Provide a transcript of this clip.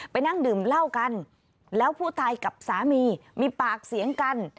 นั่งดื่มเหล้ากันแล้วผู้ตายกับสามีมีปากเสียงกัน